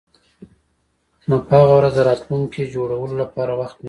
نو په هغه ورځ د راتلونکي جوړولو لپاره وخت نه و